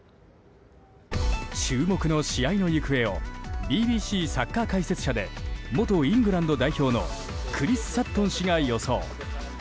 注目の試合の行方をＢＢＣサッカー解説者で元イングランド代表のクリス・サットン氏が予想。